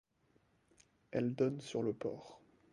Elle donne sur le port.